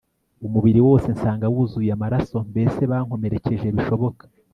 umubiri wose nsanga wuzuye amaraso mbese bankomerekeje bishoboka